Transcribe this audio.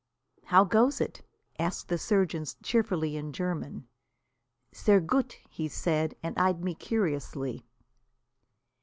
"How goes it?" asked the surgeon cheerfully in German. "Sehr gut," he said, and eyed me curiously.